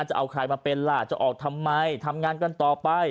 จะเอาใครมาเป็นล่ะจะออกทำไมทำงานกันต่อไป